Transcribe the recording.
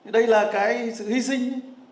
đây là cái sự hy sinh